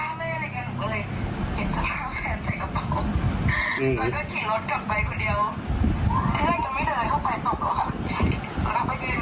อันนี้คือพี่ผู้สื่อข่าวที่รบบุรีนะคะ